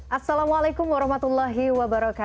assalamualaikum wr wb